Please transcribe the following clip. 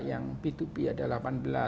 yang b dua b ada delapan belas